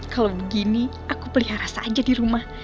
kalau begini aku pelihara saja dirumah